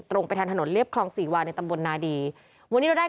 ไปทางถนนเรียบคลองสี่วาในตำบลนาดีวันนี้เราได้